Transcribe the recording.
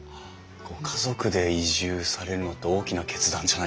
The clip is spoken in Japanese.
ご家族で移住されるのって大きな決断じゃないですか？